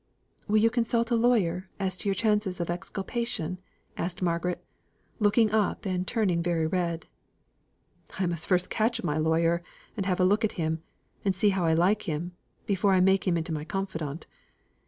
"Will you consult a lawyer as to your chances of exculpation?" asked Margaret, looking up, and turning very red. "I must first catch my lawyer, and have a look at him, and see how I like him, before I make him into my confidant.